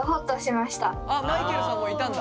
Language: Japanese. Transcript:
いました。